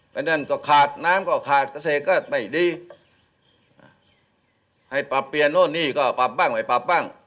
แต่นั่นก็ขาดน้ำก็ขาดเกษตรก็ไม่ดีให้ปรับเปลี่ยนโน่นนี่ก็ปรับบ้างไม่ปรับบ้าง